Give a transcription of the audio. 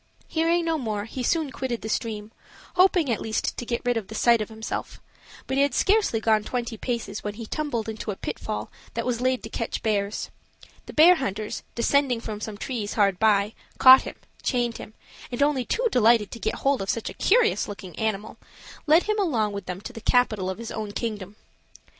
Hearing no more, he soon quitted the stream, hoping at least to get rid of the sight of himself; but he had scarcely gone twenty paces when he tumbled into a pitfall that was laid to catch bears; the bear hunters, descending from some trees hard by, caught him, chained him, and only too delighted to get hold of such a curious looking animal, led him along with them to the capital of his own kingdom.